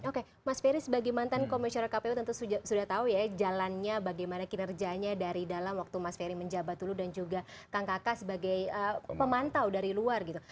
oke mas ferry sebagai mantan komisioner kpu tentu sudah tahu ya jalannya bagaimana kinerjanya dari dalam waktu mas ferry menjabat dulu dan juga kang kakak sebagai pemantau dari luar gitu